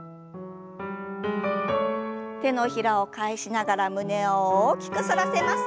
手のひらを返しながら胸を大きく反らせます。